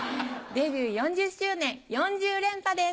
デビュー４０周年４０連覇です。